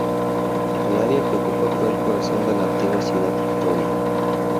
El área que ocupa fue el corazón de la antigua ciudad Victoria.